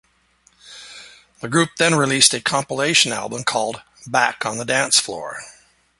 The group then released a compilation album called "Back On The Dancefloor".